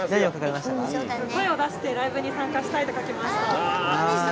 声を出してライブに参加したいと書きました。